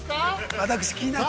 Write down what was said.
◆私、気になってた。